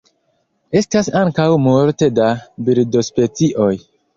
Estas ankaŭ multe da birdospecioj.